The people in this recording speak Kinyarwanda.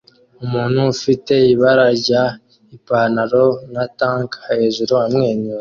Umuntu ufite ibara rya Ipanaro na tank hejuru amwenyura